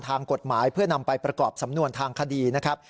ทางกฎหมายเพื่อนำไปประกอบสำนวนทางคดีนะครับ